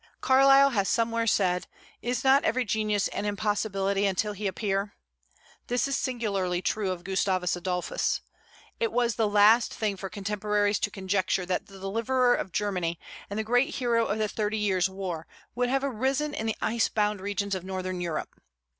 Carlyle has somewhere said: "Is not every genius an impossibility until he appear?" This is singularly true of Gustavus Adolphus. It was the last thing for contemporaries to conjecture that the deliverer of Germany, and the great hero of the Thirty Years' War, would have arisen in the ice bound regions of northern Europe.